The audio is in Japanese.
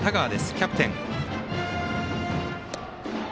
キャプテン。